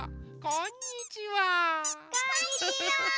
こんにちは！